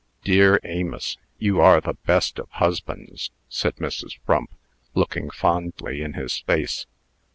'" "Dear Amos, you are the best of husbands!" said Mrs. Frump, looking fondly in his face.